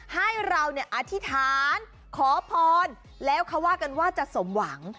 ให้เราเนี่ยอธิษฐานขอพรแล้วเขาว่ากันว่าจะสมหวัง